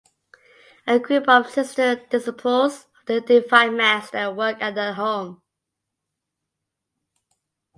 A group of Sister Disciples of the Divine Master work at the home.